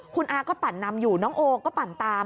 คุณอาก็ปั่นนำอยู่น้องโอก็ปั่นตาม